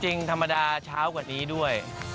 จริงธรรมดาเช้ากว่านี้ด้วย